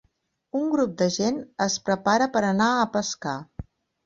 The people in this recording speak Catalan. Un grup de gent es prepara per anar a pescar.